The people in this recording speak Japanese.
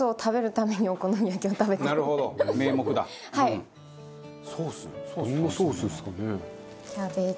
どんなソースですかね？